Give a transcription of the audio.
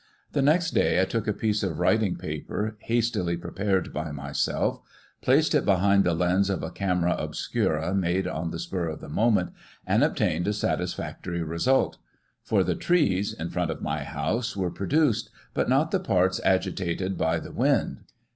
The next day, I took a piece of writing paper, hastily prepared by myself, placed it behind the lens of a camera obscura, made on the spur of the moment, and ob tained a satisfactory result; for the trees, in front of my house, were produced, but not the parts agitated by the wind.